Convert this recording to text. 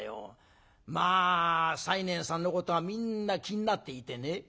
まあ西念さんのことがみんな気になっていてね。